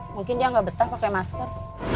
mungkin dia nggak betah pakai masker